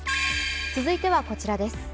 続いてはこちらです。